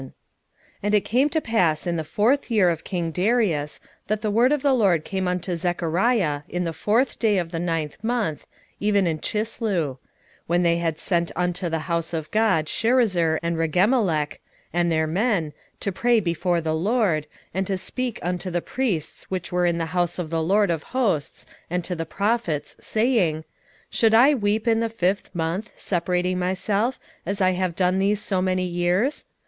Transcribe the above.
7:1 And it came to pass in the fourth year of king Darius, that the word of the LORD came unto Zechariah in the fourth day of the ninth month, even in Chisleu; 7:2 When they had sent unto the house of God Sherezer and Regemmelech, and their men, to pray before the LORD, 7:3 And to speak unto the priests which were in the house of the LORD of hosts, and to the prophets, saying, Should I weep in the fifth month, separating myself, as I have done these so many years?